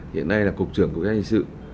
hiện nay là cục trưởng của nhà hình sự